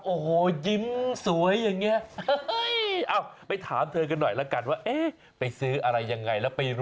โอ้โหยิ้มสวยอย่างนี้